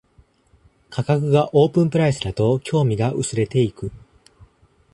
価格がオープンプライスだと興味が薄れていく